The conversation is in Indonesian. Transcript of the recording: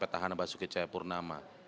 peta hanabah sukit cahayapurnama